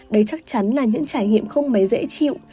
đây chắc chắn là những trải nghiệm không mấy dễ chịu